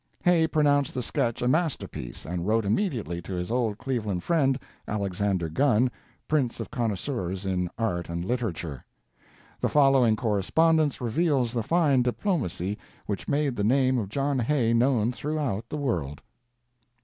Hay pronounced the sketch a masterpiece, and wrote immediately to his old Cleveland friend, Alexander Gunn, prince of connoisseurs in art and literature. The following correspondence reveals the fine diplomacy which made the name of John Hay known throughout the world.